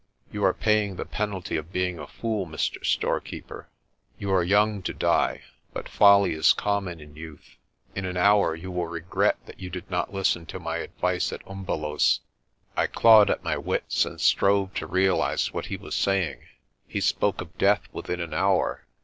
"You are paying the penalty of being a fool, Mr. Store keeper. You are young to die, but folly is common in youth. In an hour you will regret that you did not listen to my advice at UmvelosV I clawed at my wits and strove to realise what he was saying. He spoke of death within an hour.